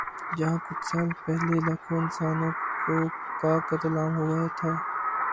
جہاں کچھ سال پہلے لاکھوں انسانوں کا قتل عام ہوا تھا۔